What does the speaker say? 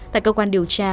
tại cơ quan điều tra